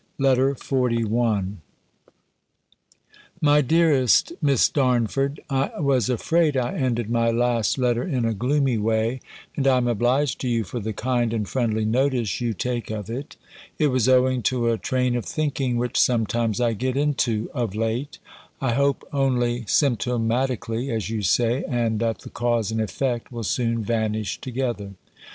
LETTER XLI My dearest Miss Darnford, I was afraid I ended my last letter in a gloomy way; and I am obliged to you for the kind and friendly notice you take of it. It was owing to a train of thinking which sometimes I get into, of late; I hope only symptomatically, as you say, and that the cause and effect will soon vanish together.